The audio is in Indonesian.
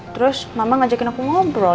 terus mama ngajakin aku ngobrol